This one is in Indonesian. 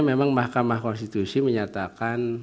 memang mahkamah konstitusi menyatakan